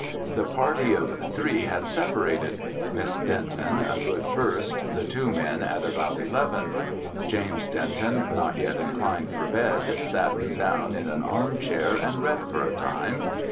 The party of three had separated. Miss Denton a good first, the two men at about eleven. James Denton, not yet inclined for bed, sat him down in an arm chair and read for a time.